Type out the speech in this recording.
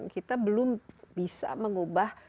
kita belum bisa mengubah